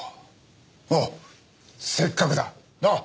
あっせっかくだ。なあ！